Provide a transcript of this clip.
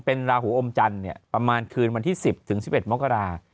เป็นราหูอมจันทร์ประมาณคืนวันที่๑๐๑๑มกรา